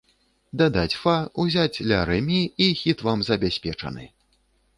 Дадаць фа, узяць ля-рэ-мі, і хіт вам забяспечаны!